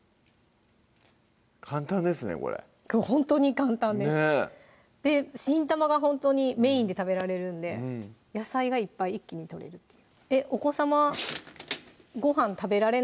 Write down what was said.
簡単ですねこれほんとに簡単です新玉がほんとにメインで食べられるんで野菜がいっぱい一気にとれるっていうお子さまごはん食べられない